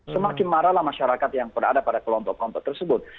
semakin marahlah masyarakat yang berada pada kelompok kelompok tersebut